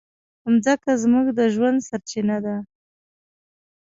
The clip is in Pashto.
مځکه زموږ د ژوند سرچینه ده.